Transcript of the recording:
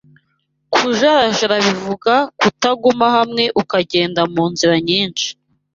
Kujarajara bivuga Kutaguma hamwe ukagenda mu nzira nyinshi